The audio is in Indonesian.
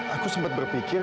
aku sempat berpikir